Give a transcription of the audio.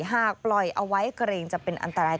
หากปล่อยเอาไว้เกรงจะเป็นอันตราย